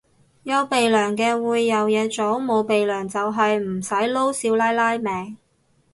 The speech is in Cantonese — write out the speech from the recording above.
有鼻樑嘅會有嘢做，冇鼻樑就係唔使撈少奶奶命